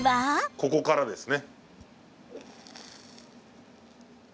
ここからですね。